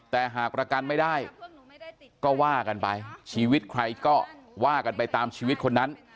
แต่หากประกันไม่ได้ก็ว่ากันไปชีวิตใครก็ว่ากันไปตามชีวิตคนนั้น